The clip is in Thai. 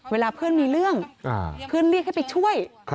เวลาเพื่อนมีเรื่องเพื่อนเรียกให้ไปช่วย